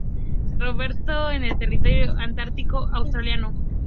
Robertson en el Territorio Antártico Australiano.